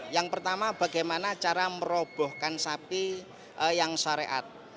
yang pertama bagaimana cara merobohkan sapi yang syariat